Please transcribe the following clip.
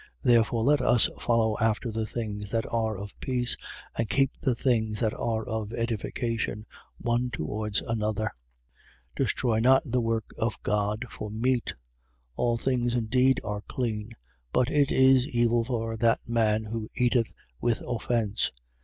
Therefore, let us follow after the things that are of peace and keep the things that are of edification, one towards another. 14:20. Destroy not the work of God for meat. All things indeed are clean: but it is evil for that man who eateth with offence.